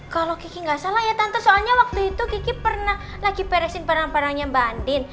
kalau kiki nggak salah ya tante soalnya waktu itu kiki pernah lagi beresin barang barangnya mbak andin